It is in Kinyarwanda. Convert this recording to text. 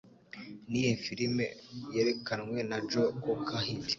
Niyihe filime Yerekanwe na Joe Cocker Hit